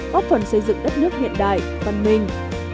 góp phần xây dựng đất nước hiện đại văn minh